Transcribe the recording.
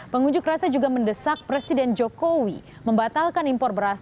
pengunjuk rasa juga mendesak presiden jokowi membatalkan impor beras